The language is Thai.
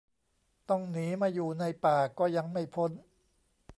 ต้องหนีมาอยู่ในป่าก็ยังไม่พ้น